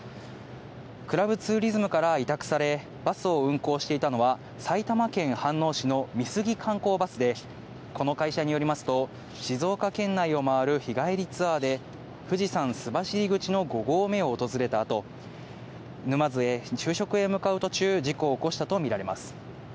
クラブツーリズムから委託され、バスを運行していたのは、埼玉県飯能市の美杉観光バスで、この会社によりますと、静岡県内を回る日帰りツアーで、富士山須走口の５合目を訪れたあと、沼津へ昼食へ向かう途中、事故を起こしたと見られます。